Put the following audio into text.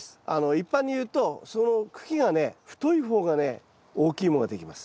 一般に言うとその茎がね太い方がね大きい芋ができます。